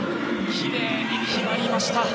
きれいに決まりました。